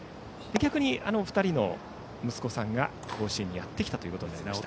逆に、２人の息子さんが甲子園にやってきたことになりました。